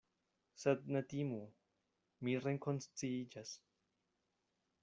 Sed ne timu; mi rekonsciiĝas.